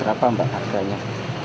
berapa mbak harganya